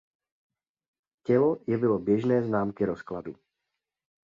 Tělo jevilo běžné známky rozkladu.